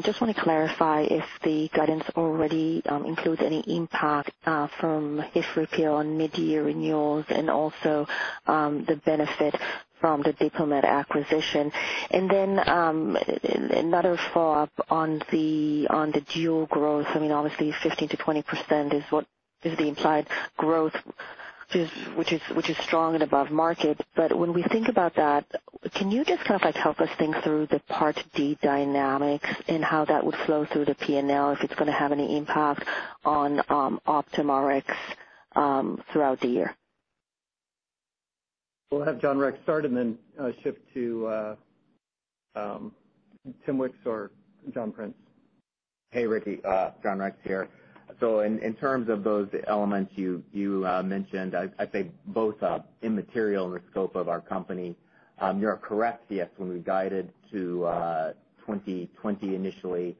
Just want to clarify if the guidance already includes any impact from HIT repeal on mid-year renewals and also, the benefit from the Diplomat acquisition. Another follow-up on the dual growth. Obviously 15%-20% is the implied growth, which is strong and above market. When we think about that, can you just kind of help us think through the Part D dynamics and how that would flow through the P&L, if it's going to have any impact on OptumRx throughout the year? We'll have John Rex start and then shift to Tim Wicks or John Prince. Hey, Ricky, John Rex here. In terms of those elements you mentioned, I'd say both are immaterial in the scope of our company. You're correct. Yes, when we guided to 2020, initially,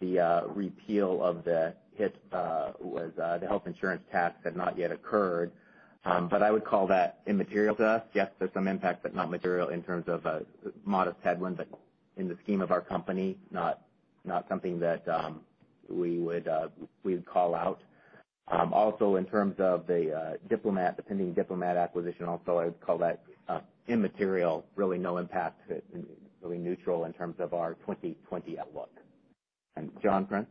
the repeal of the HIT, the health insurance tax, had not yet occurred. I would call that immaterial to us. Yes, there's some impact, but not material in terms of a modest headwind, but in the scheme of our company, not something that we would call out. Also in terms of the pending Diplomat acquisition also, I would call that immaterial. Really no impact. Really neutral in terms of our 2020 outlook. John Prince?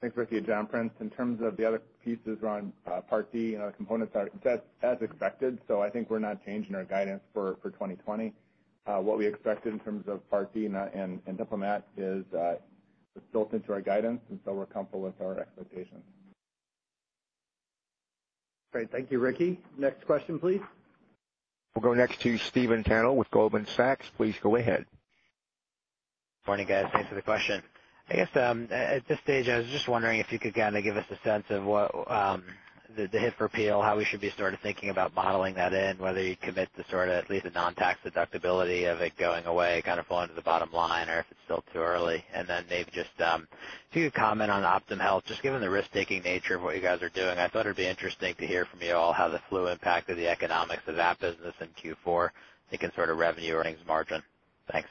Thanks, Ricky. It's John Prince. In terms of the other pieces around Part D, our components are set as expected, I think we're not changing our guidance for 2020. What we expected in terms of Part D and Diplomat is built into our guidance, we're comfortable with our expectations. Great, thank you, Ricky. Next question, please. We'll go next to Stephen Tanal with Goldman Sachs. Please go ahead. Morning, guys. Thanks for the question. I guess, at this stage, I was just wondering if you could kind of give us a sense of the HIT repeal, how we should be sort of thinking about modeling that in, whether you commit to sort of at least a non-tax deductibility of it going away, kind of falling to the bottom line, or if it's still too early. Maybe just if you could comment on Optum Health. Just given the risk-taking nature of what you guys are doing, I thought it'd be interesting to hear from you all how the flu impacted the economics of that business in Q4, thinking sort of revenue earnings margin. Thanks.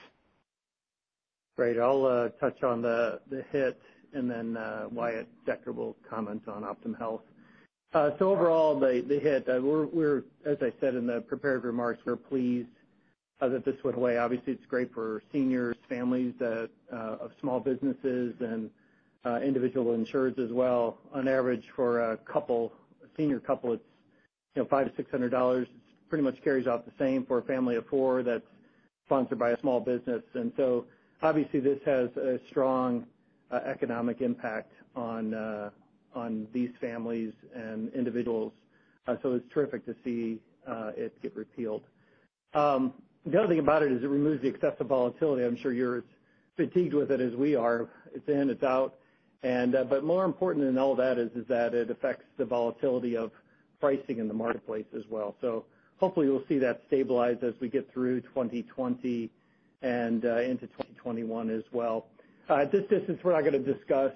Great. I'll touch on the HIT, and then Wyatt Decker will comment on Optum Health. Overall, the HIT, as I said in the prepared remarks, we're pleased that this went away. Obviously, it's great for seniors, families of small businesses, and individual insurers as well. On average, for a senior couple, it's $500-$600. It pretty much carries out the same for a family of four that's sponsored by a small business. Obviously, this has a strong economic impact on these families and individuals, so it's terrific to see it get repealed. The other thing about it is it removes the excessive volatility. I'm sure you're as fatigued with it as we are. It's in, it's out. More important than all that is that it affects the volatility of pricing in the marketplace as well. Hopefully we'll see that stabilize as we get through 2020 and into 2021 as well. At this distance, we're not going to discuss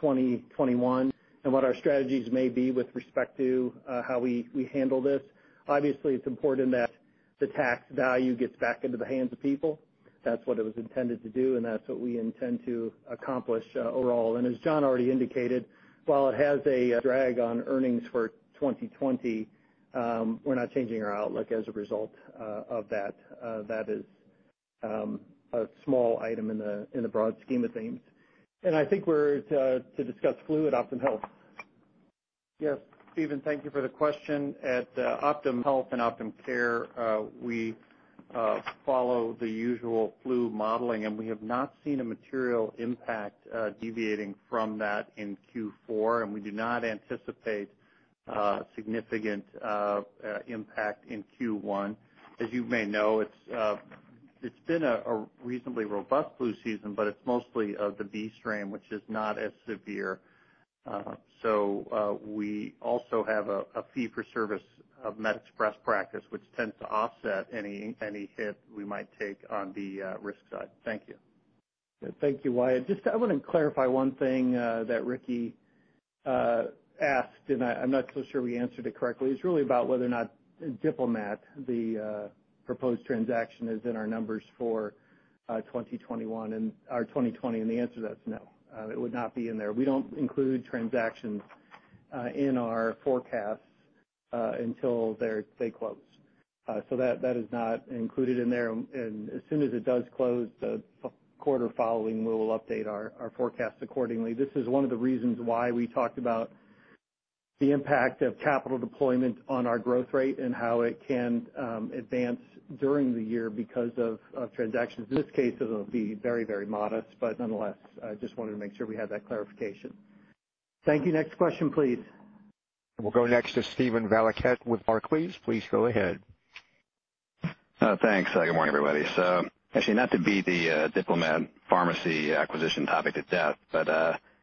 2021 and what our strategies may be with respect to how we handle this. Obviously, it's important that the tax value gets back into the hands of people. That's what it was intended to do, and that's what we intend to accomplish overall. As John already indicated, while it has a drag on earnings for 2020, we're not changing our outlook as a result of that. That is a small item in the broad scheme of things. I think we're to discuss flu at Optum Health. Yes, Steven, thank you for the question. At Optum Health and Optum Care, we follow the usual flu modeling, and we have not seen a material impact deviating from that in Q4, and we do not anticipate significant impact in Q1. As you may know, it's been a reasonably robust flu season, but it's mostly of the B strain, which is not as severe. We also have a fee for service of MedExpress practice, which tends to offset any hit we might take on the risk side. Thank you. Thank you, Wyatt. I want to clarify one thing that Ricky asked, and I'm not so sure we answered it correctly. It is really about whether or not Diplomat, the proposed transaction, is in our numbers for 2021 and our 2020, and the answer to that is no. It would not be in there. We do not include transactions in our forecasts until they close. That is not included in there. As soon as it does close, the quarter following, we will update our forecast accordingly. This is one of the reasons why we talked about the impact of capital deployment on our growth rate and how it can advance during the year because of transactions. In this case, it will be very modest, but nonetheless, I just wanted to make sure we have that clarification. Thank you. Next question, please. We'll go next to Steven Valiquette with Barclays. Please go ahead. Thanks. Good morning, everybody. Actually, not to beat the Diplomat Pharmacy acquisition topic to death, but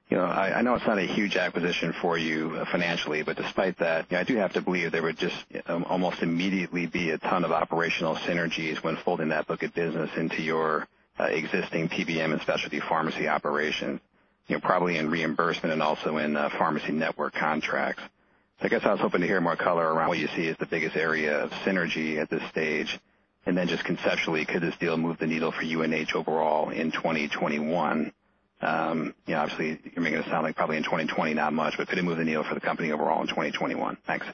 I know it's not a huge acquisition for you financially, but despite that, I do have to believe there would just almost immediately be a ton of operational synergies when folding that book of business into your existing PBM and specialty pharmacy operation, probably in reimbursement and also in pharmacy network contracts. I guess I was hoping to hear more color around what you see as the biggest area of synergy at this stage. Just conceptually, could this deal move the needle for UNH overall in 2021? Obviously, you're making it sound like probably in 2020, not much, but could it move the needle for the company overall in 2021? Thanks.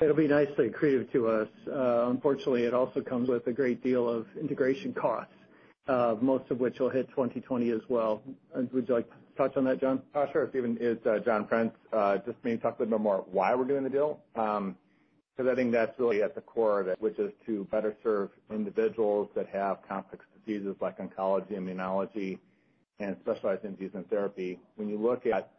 It'll be nicely accretive to us. Unfortunately, it also comes with a great deal of integration costs, most of which will hit 2020 as well. Would you like to touch on that, John? Sure, Steven. It's John Prince. Maybe talk a little bit more why we're doing the deal, because I think that's really at the core of it, which is to better serve individuals that have complex diseases like oncology, immunology, and specialized infusion therapy. When you look at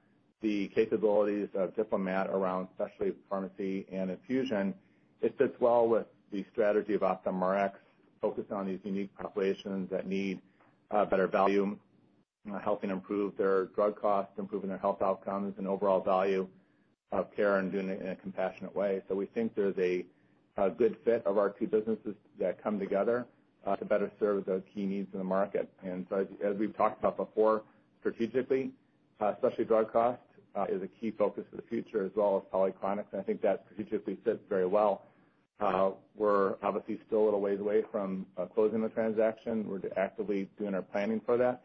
the capabilities of Diplomat around specialty pharmacy and infusion, it fits well with the strategy of OptumRx, focused on these unique populations that need better value, helping improve their drug costs, improving their health outcomes and overall value of care, doing it in a compassionate way. We think there's a good fit of our two businesses that come together to better serve those key needs in the market. As we've talked about before, strategically, specialty drug cost is a key focus of the future as well as polychronics, I think that strategically fits very well. We're obviously still a little ways away from closing the transaction. We're actively doing our planning for that,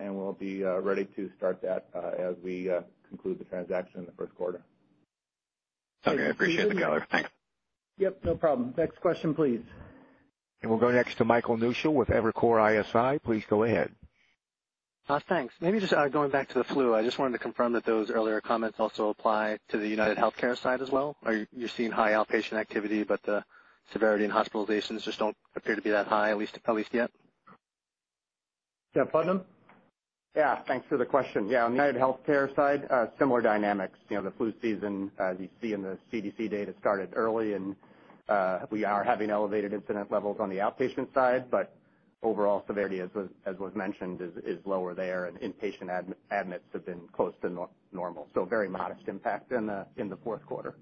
and we'll be ready to start that as we conclude the transaction in the first quarter. Okay, I appreciate the color. Thanks. Yep, no problem. Next question, please. We'll go next to Michael Newshel with Evercore ISI. Please go ahead. Thanks. Maybe just going back to the flu, I just wanted to confirm that those earlier comments also apply to the UnitedHealthcare side as well. Are you seeing high outpatient activity but the severity and hospitalizations just don't appear to be that high, at least yet? Jeff Putnam? Yeah. Thanks for the question. Yeah, on the UnitedHealthcare side, similar dynamics. The flu season, as you see in the CDC data, started early, and we are having elevated incident levels on the outpatient side, but overall severity, as was mentioned, is lower there, and inpatient admits have been close to normal. Very modest impact in the fourth quarter.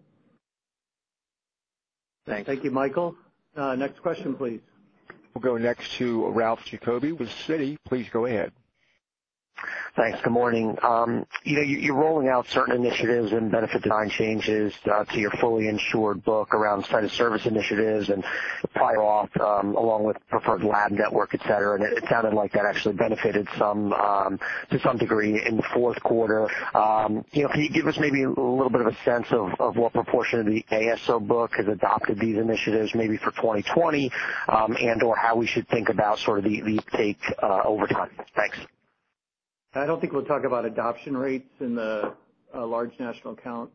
Thanks. Thank you, Michael. Next question, please. We'll go next to Ralph Giacobbe with Citi. Please go ahead. Thanks. Good morning. You're rolling out certain initiatives and benefit design changes to your fully insured book around site of service initiatives and price-off, along with preferred lab network, et cetera. It sounded like that actually benefited to some degree in the fourth quarter. Can you give us maybe a little bit of a sense of what proportion of the ASO book has adopted these initiatives maybe for 2020, and/or how we should think about the take over time? Thanks. I don't think we'll talk about adoption rates in the large national accounts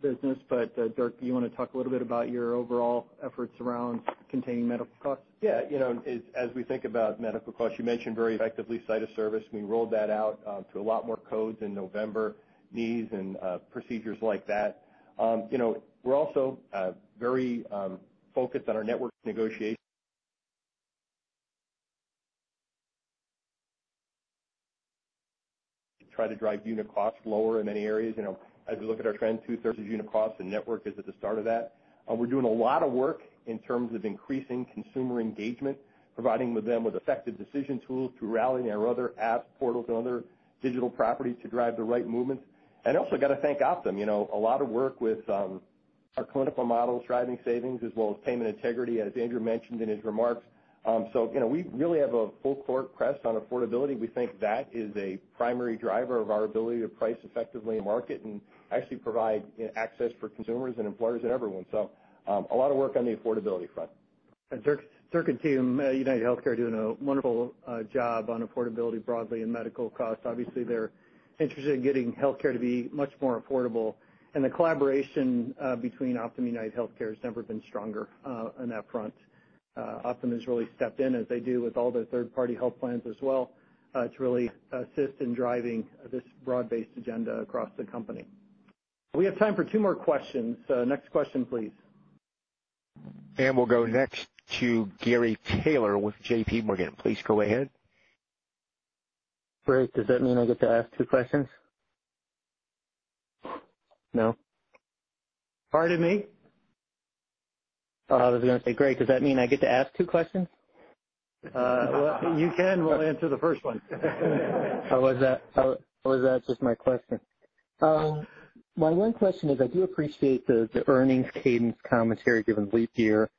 business, but Dirk, do you want to talk a little bit about your overall efforts around containing medical costs? As we think about medical costs, you mentioned very effectively site of service, we rolled that out to a lot more codes in November, knees and procedures like that. We're also very focused on our networks negotiation. We try to drive unit costs lower in many areas. As we look at our trend, two-thirds is unit costs, network is at the start of that. We're doing a lot of work in terms of increasing consumer engagement, providing them with effective decision tools through Rally and our other apps, portals, and other digital properties to drive the right movements. We also got to thank Optum for a lot of work with our clinical models, driving savings as well as Payment Integrity, as Andrew mentioned in his remarks. We really have a full-court press on affordability. We think that is a primary driver of our ability to price effectively in market and actually provide access for consumers and employers and everyone. A lot of work on the affordability front. Dirk and team, UnitedHealthcare are doing a wonderful job on affordability broadly and medical costs. Obviously, they're interested in getting healthcare to be much more affordable. The collaboration between Optum UnitedHealthcare has never been stronger on that front. Optum has really stepped in as they do with all the third-party health plans as well, to really assist in driving this broad-based agenda across the company. We have time for two more questions. Next question, please. We'll go next to Gary Taylor with JPMorgan. Please go ahead. Great. Does that mean I get to ask two questions? No? Pardon me? Oh, I was going to say, great, does that mean I get to ask two questions? Well, you can. We'll answer the first one. I was asking for my question. My one question is, I do appreciate the earnings cadence commentary, given leap year.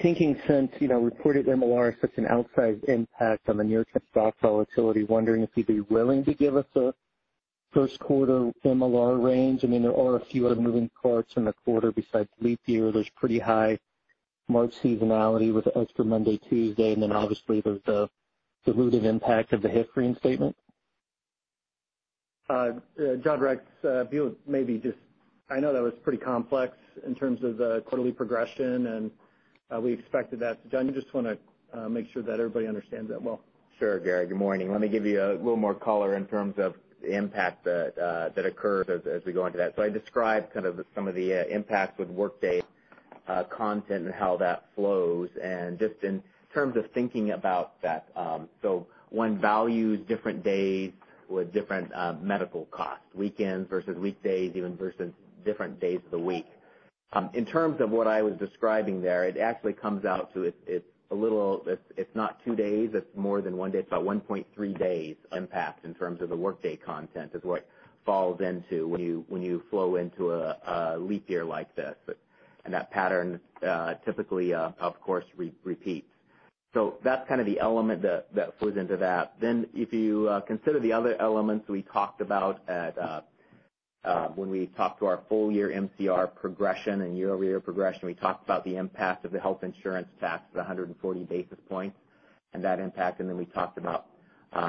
Thinking since reported MLR has such an outsized impact on the near-term stock volatility, wondering if you'd be willing to give us a first quarter MLR range. There are a few other moving parts in the quarter besides leap year. There's pretty high March seasonality with the extra Monday, Tuesday, and then obviously, there's the dilutive impact of the HIT reinvestment. John Rex, maybe just I know that was pretty complex in terms of the quarterly progression, and we expected that. John, do you just want to make sure that everybody understands that well? Sure, Gary. Good morning. Let me give you a little more color in terms of the impact that occurs as we go into that. I described kind of some of the impacts with workday content and how that flows and just in terms of thinking about that. When value is different days with different medical costs, weekends versus weekdays, even versus different days of the week. In terms of what I was describing there, it actually comes out to, it's not two days, it's more than one day. It's about 1.3 days impact in terms of the workday content is what it falls into when you flow into a leap year like this. That pattern typically, of course, repeats. That's kind of the element that flows into that. If you consider the other elements we talked about when we talked to our full year MCR progression and year-over-year progression, we talked about the impact of the health insurance tax, the 140 basis points and that impact, and then we talked about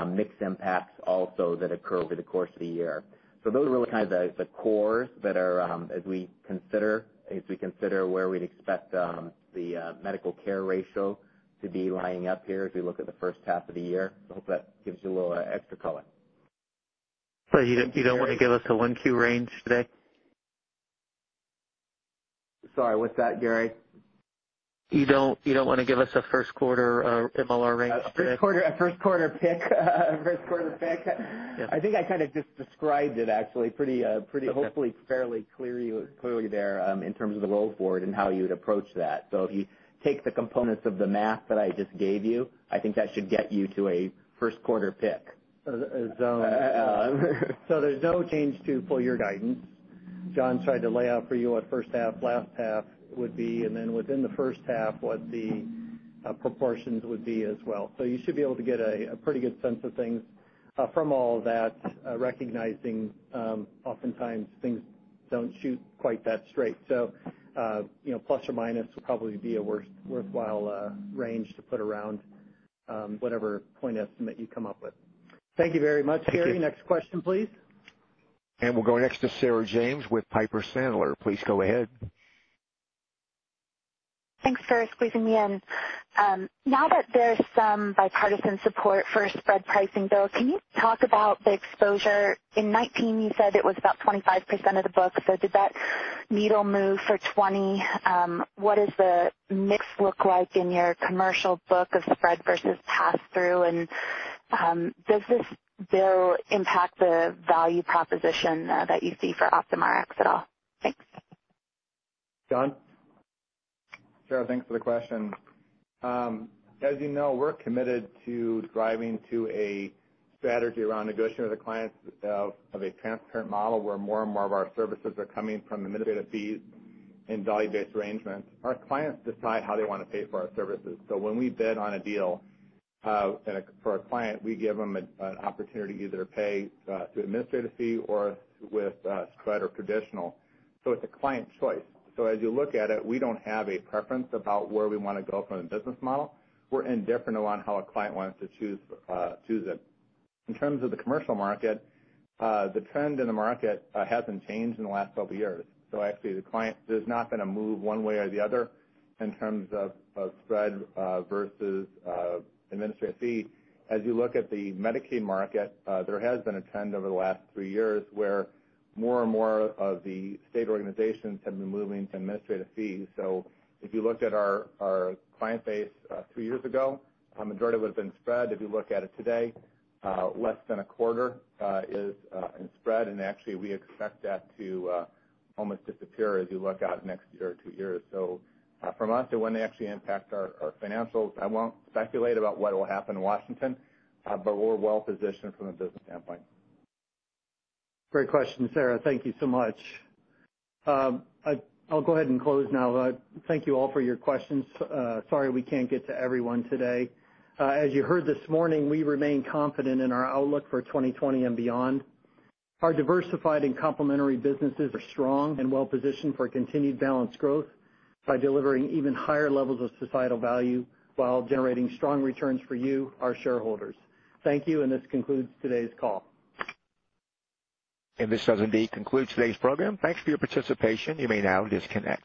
mixed impacts also that occur over the course of the year. Those are really kind of the cores that as we consider where we'd expect the medical care ratio to be lining up here as we look at the first half of the year. I hope that gives you a little extra color. You don't want to give us a 1Q range today? Sorry, what's that, Gary? You don't want to give us a first quarter MLR range today? A first quarter pick? A first quarter pick. Yeah. I think I kind of just described it actually hopefully fairly clearly there, in terms of the roll forward and how you would approach that. If you take the components of the math that I just gave you, I think that should get you to a first quarter pick. There's no change to full year guidance. John tried to lay out for you what first half, last half would be, and then within the first half, what the proportions would be as well. You should be able to get a pretty good sense of things From all that, recognizing oftentimes things don't shoot quite that straight. ± will probably be a worthwhile range to put around whatever point estimate you come up with. Thank you very much, Gary. Thank you. Next question, please. We'll go next to Sarah James with Piper Sandler. Please go ahead. Thanks for squeezing me in. Now that there's some bipartisan support for a spread pricing bill, can you talk about the exposure? In 2019, you said it was about 25% of the book. Did that needle move for 2020? What does the mix look like in your commercial book of spread versus pass-through? Does this bill impact the value proposition that you see for OptumRx at all? Thanks. John? Sarah, thanks for the question. As you know, we're committed to driving to a strategy around negotiating with the clients of a transparent model where more and more of our services are coming from administrative fees and value-based arrangements. Our clients decide how they want to pay for our services. When we bid on a deal for a client, we give them an opportunity either to pay through administrative fee or with spread or traditional. It's a client choice. As you look at it, we don't have a preference about where we want to go from a business model. We're indifferent on how a client wants to choose it. In terms of the commercial market, the trend in the market hasn't changed in the last 12 years. Actually, the client is not going to move one way or the other in terms of spread versus administrative fee. As you look at the Medicaid market, there has been a trend over the last three years where more and more of the state organizations have been moving to administrative fees. If you looked at our client base three years ago, a majority would've been spread. If you look at it today, less than a quarter is in spread, and actually, we expect that to almost disappear as you look out next year or two years. From us, it wouldn't actually impact our financials. I won't speculate about what'll happen in Washington, but we're well positioned from a business standpoint. Great question, Sarah. Thank you so much. I'll go ahead and close now. Thank you all for your questions. Sorry we can't get to everyone today. As you heard this morning, we remain confident in our outlook for 2020 and beyond. Our diversified and complementary businesses are strong and well-positioned for continued balanced growth by delivering even higher levels of societal value while generating strong returns for you, our shareholders. Thank you, and this concludes today's call. This does indeed conclude today's program. Thanks for your participation. You may now disconnect.